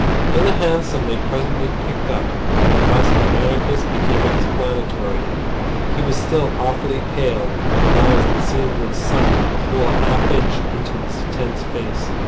In the hansom they presently picked up, the robust anarchist became explanatory. He was still awfully pale, with eyes that seemed to have sunk a whole half inch into his tense face.